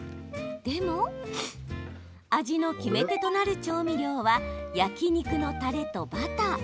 でも味の決め手となる調味料は焼き肉のたれとバター。